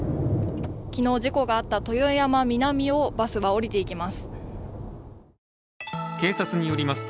昨日、事故があった豊山南をバスは降りていきます。